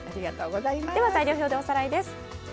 材料表でおさらいです。